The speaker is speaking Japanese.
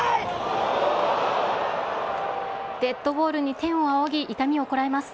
デッドボールに天を仰ぎ、痛みをこらえます。